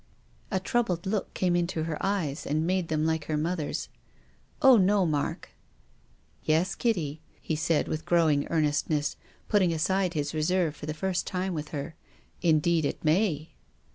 A troubled look came into her eyes and made them like her mother's. " Oh no, Mark." " Yes, Kitty," he said, with growing earnest ness, putting aside his reserve for the first time with her. " Indeed it may."